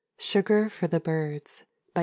SUGAR FOR THE BIRDS. I.